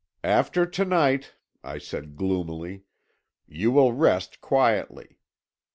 'After to night,' I said gloomily, 'you will rest quietly.